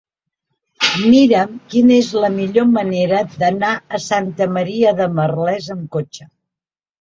Mira'm quina és la millor manera d'anar a Santa Maria de Merlès amb cotxe.